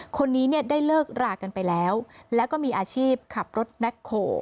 คนนี้เนี่ยได้เลิกรากันไปแล้วแล้วก็มีอาชีพขับรถแบ็คโฮ